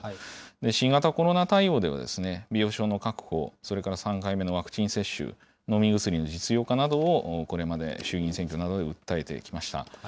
新型コロナ対応では、病床の確保、それから３回目のワクチン接種、飲み薬の実用化などをこれまで衆議院選挙などで訴えてきました。